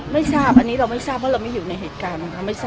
ไม่ทราบเราไม่อยู่ในเหตุการณ์